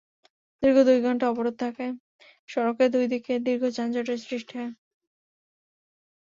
দীর্ঘ দুই ঘণ্টা অবরোধ থাকায় সড়কের দুই দিকে দীর্ঘ যানজটের সৃষ্টি হয়।